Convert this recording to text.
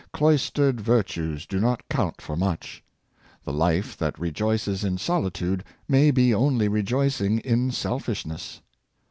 Cloistered virtues do not count for much. The life that rejoices in solitude may be only rejoicing in selfishness.